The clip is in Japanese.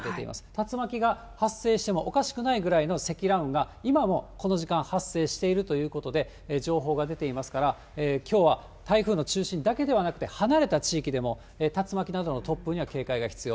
竜巻が発生してもおかしくないくらいの積乱雲が、今もこの時間、発生しているということで、情報が出ていますから、きょうは台風の中心だけではなくて、離れた地域でも、竜巻などの突風には警戒が必要。